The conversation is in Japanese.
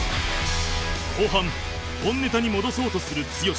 後半本ネタに戻そうとする剛